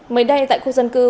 mới đây tại khu dân cư